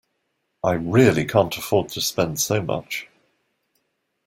I really can’t afford to spend so much